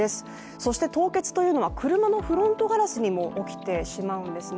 そして凍結というのは車のフロントガラスにも起きてしまうんですね